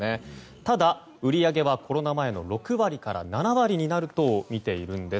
ただ、売り上げはコロナ前の６割から７割になるとみているんです。